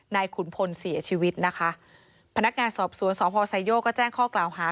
ขุนพลเสียชีวิตนะคะพนักงานสอบสวนสพไซโยกก็แจ้งข้อกล่าวหา